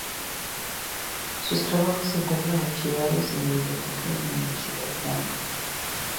Sus trabajos se encuentran archivados en la Biblioteca de la Universidad de Darwin.